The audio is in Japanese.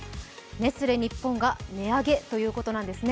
ネスレ日本が値上げということなんですね。